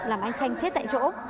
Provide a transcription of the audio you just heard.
làm anh khanh chết tại chỗ